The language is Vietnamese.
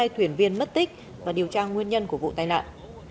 hai thuyền viên mất tích và điều tra nguyên nhân của vụ tai nạn